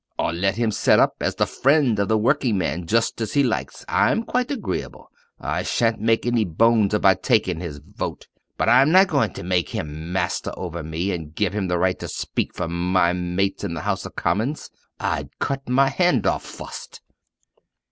or let him set up as the friend of the working man just as he likes I'm quite agreeable! I shan't make any bones about takin' his vote; but I'm not goin' to make him master over me, and give him the right to speak for my mates in the House of Commons. I'd cut my hand off fust!"